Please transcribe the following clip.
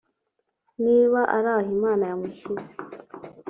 niba ari aho Imana yamushyize